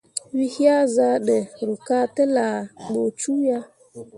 We yea zah ɗə, ruu ka tə laa ɓə cuu ya.